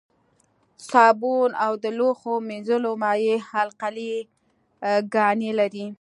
صابون او د لوښو مینځلو مایع القلي ګانې لري.